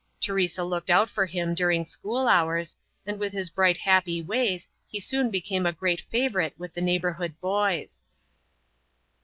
Teresa looked out for him during school hours, and with his bright happy ways he soon became a great favorite with the neighborhood boys.